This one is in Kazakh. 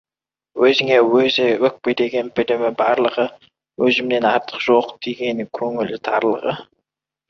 Өзіне-өзі өкпелеген — білім барлығы, «Өзімнен артық жоқ» дегені — көңілі тарлығы.